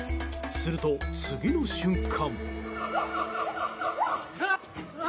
すると次の瞬間。